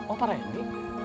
oh para yang di